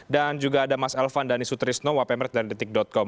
dan juga ada mas elvan dhani sutrisno wp mret dan detik com